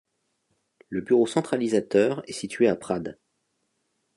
Le bureau centralisateur est situé à Prades.